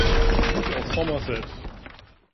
Duke of Somerset.